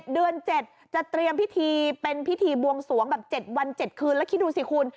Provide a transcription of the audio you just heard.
เดือน๗จะเตรียมพิธีเป็นพิธีบวงสวงแบบ๗วัน๗คืนแล้วคิดดูสิคุณ